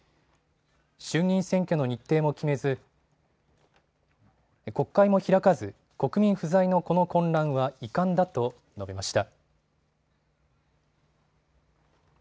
衆議院選挙の日程も決めず国会も開かず、国民不在のこの混乱は遺憾だと述べました。